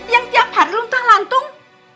yang tiap hari luntuh lantung